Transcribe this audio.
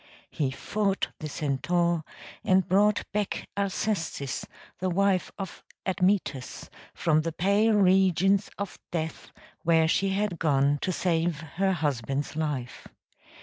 He fought the Centaur and brought back Alcestis, the wife of Admetus, from the pale regions of death where she had gone to save her husband's life.